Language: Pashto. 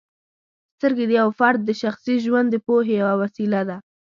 سترګې د یو فرد د شخصي ژوند د پوهې یوه وسیله ده.